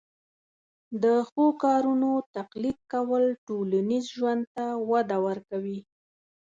د ښو کارونو تقلید کول ټولنیز ژوند ته وده ورکوي.